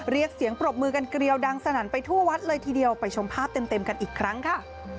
เรียกเสียงปรบมือกันเกลียวดังสนั่นไปทั่ววัดเลยทีเดียวไปชมภาพเต็มกันอีกครั้งค่ะ